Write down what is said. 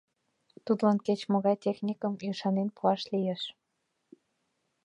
Тудлан кеч-могай техникым ӱшанен пуаш лиеш.